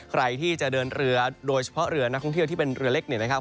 ใครที่จะเดินเรือโดยเฉพาะเรือนักท่องเที่ยวที่เป็นเรือเล็กเนี่ยนะครับ